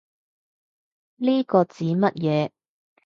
呢個指乜嘢